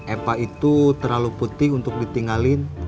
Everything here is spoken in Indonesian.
epa itu terlalu putih untuk ditinggalin